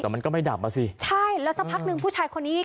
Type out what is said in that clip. แต่มันก็ไม่ดับอ่ะสิใช่แล้วสักพักหนึ่งผู้ชายคนนี้อีก